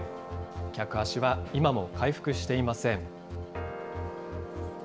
客足は今も回復していません。